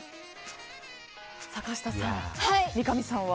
坂下さん、三上さんは。